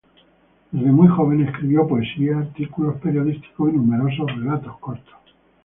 Desde muy joven escribió poesía, artículos periodísticos y numerosos relatos cortos.